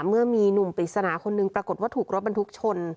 เมื่อมีหนุ่มปริศนาคนหนึ่งปรากฏว่าถูกรถบรรทุกชน